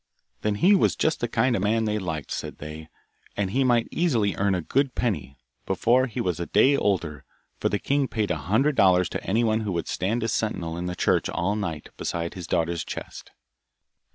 Then he was just the kind of man they liked, said they, and he might easily earn a good penny, before he was a day older, for the king paid a hundred dollars to anyone who would stand as sentinel in the church all night, beside his daughter's chest.